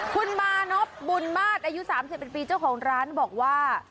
คุณมานพบุญมาศอายุ๓๑ปีเจ้าของร้านบอกว่า